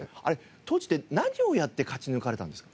当時って何をやって勝ち抜かれたんですか？